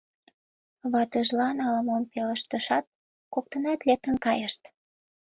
Ватыжлан ала-мом пелештышат, коктынат лектын кайышт.